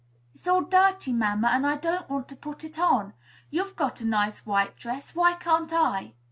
"It is all dirty, mamma, and I don't want to put it on! You've got on a nice white dress: why can't I?"